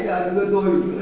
bây giờ tôi xin